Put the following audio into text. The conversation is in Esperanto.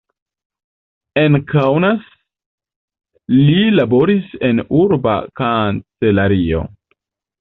En Kaunas li laboris en urba kancelario.